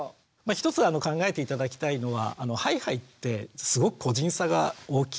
一つ考えて頂きたいのはハイハイってすごく個人差が大きいっていうことなんですね。